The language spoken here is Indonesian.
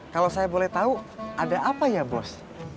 kalau saya boleh tahu ada apa ya bos